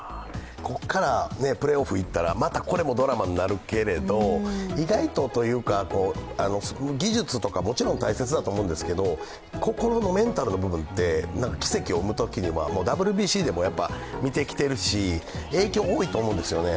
こっからプレーオフ行ったらこれもドラマになるけれど意外とというか、技術とかもちろん大切だと思うんですが、心の、メンタルの部分って奇跡を生むときはＷＢＣでも見てきてるし影響、大きいと思うんですよね。